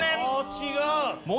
違う。